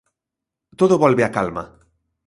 Todo volve á calma.